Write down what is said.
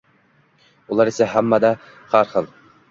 Ular esa hammada har xil!